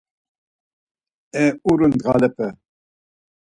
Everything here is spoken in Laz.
E uru ndğalepe!